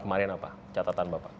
kemarin apa catatan bapak